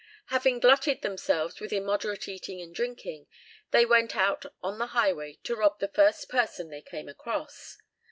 Having "glutted themselves with immoderate eating and drinking," they went out on the highway to rob the first person they came across.